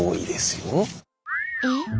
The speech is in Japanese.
えっ？